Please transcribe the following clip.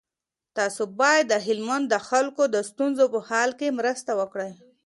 تاسو باید د هلمند د خلکو د ستونزو په حل کي مرسته وکړئ.